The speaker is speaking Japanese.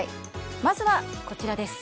まずは、こちらです。